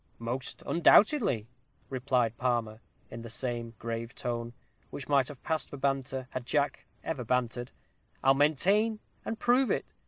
"Most undoubtedly," replied Palmer, in the same grave tone, which might have passed for banter, had Jack ever bantered. "I'll maintain and prove it.